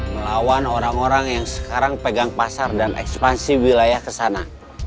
melawan orang orang yang sekarang pegang pasar dan ekspansi wilayah ke sana